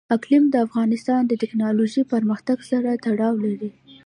اقلیم د افغانستان د تکنالوژۍ پرمختګ سره تړاو لري.